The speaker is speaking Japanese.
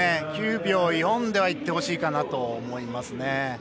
９秒４でいってほしいかなと思いますね。